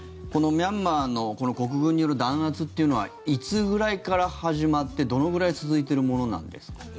このミャンマーの国軍による弾圧というのはいつぐらいから始まってどのぐらい続いてるものなんですか？